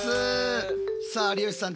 さあ有吉さん